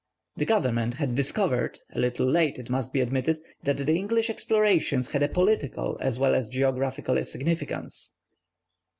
The government had discovered, a little late it must be admitted, that the English explorations had a political as well as a geographical significance.